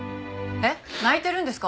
えっ？泣いてるんですか？